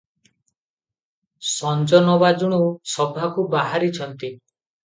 ସଞ୍ଜ ନ ବାଜୁଣୁ ସଭାକୁ ବାହାରିଛନ୍ତି ।